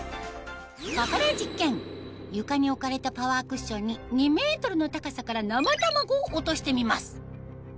ここで実験床に置かれたパワークッションに２ｍの高さから生卵を落としてみます